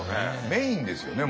メインですよね